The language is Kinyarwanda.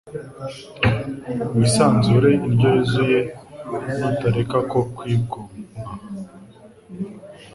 wisanzuye, indyo yuzuye. Nutareka uko kwigomwa,